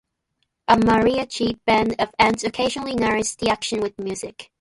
A mariachi band of ants occasionally narrates the action with music.